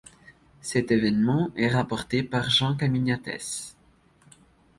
Cet événement est rapporté par Jean Caminiatès.